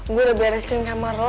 gue udah beresin kamar lo